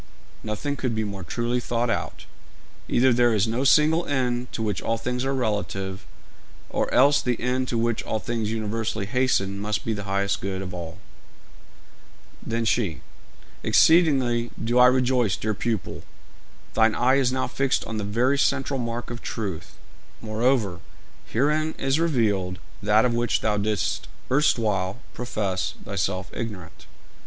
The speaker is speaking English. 'Nothing could be more truly thought out. Either there is no single end to which all things are relative, or else the end to which all things universally hasten must be the highest good of all.' Then she: 'Exceedingly do I rejoice, dear pupil; thine eye is now fixed on the very central mark of truth. Moreover, herein is revealed that of which thou didst erstwhile profess thyself ignorant.'